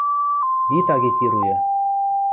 – Ит агитируйы...